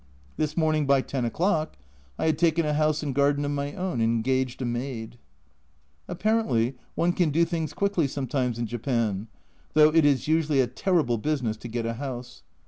This morning by ten o'clock I had taken a house and garden of my own and engaged a maid ! Apparently, one can do things quickly sometimes in Japan, though it is usually a terrible business to get a house.